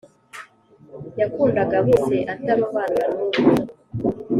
yakundaga bose atarobanura numwe